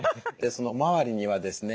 その周りにはですね